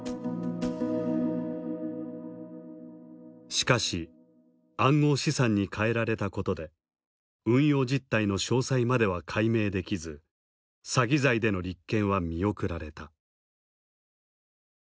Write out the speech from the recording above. しかし暗号資産に替えられたことで運用実態の詳細までは解明できず詐欺罪での立件は見送られた。